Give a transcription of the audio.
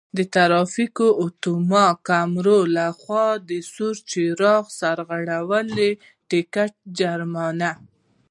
د ترافیکو آتومات کیمرو له خوا د سور څراغ سرغړونې ټکټ جرمانه: